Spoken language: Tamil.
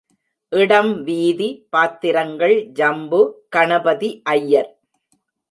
இடம் வீதி பாத்திரங்கள் ஜம்பு, கணபதி ஐயர்.